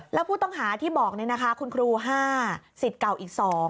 แล้วผู้ต้องหาที่บอกคุณครู๕สิทธิ์เก่าอีก๒